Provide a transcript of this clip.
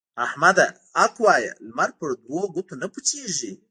احمده! حق وايه؛ لمر په دوو ګوتو نه پټېږي.